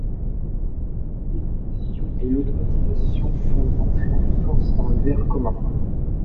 La mécanisation et l'automatisation font une entrée en force dans le verre commun.